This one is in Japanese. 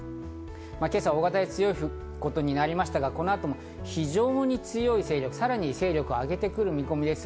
今朝は大型で強いということになりましたが、この後も非常に強い勢力、さらに勢力を上げてくる見込みです。